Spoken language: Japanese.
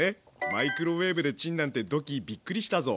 マイクロウエーブでチンなんてドッキーびっくりしたぞ。